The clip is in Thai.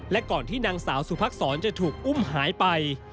และก่อนที่นางสาวสุภักษรจะถูกอุ้มหายไป